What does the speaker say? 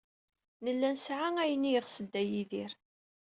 Nella nesɛa ayen ay yeɣs Dda Yidir.